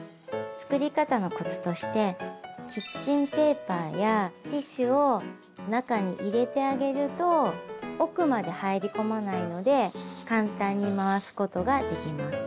作り方のコツとしてキッチンペーパーやティッシュを中に入れてあげると奥まで入り込まないので簡単に回すことができます。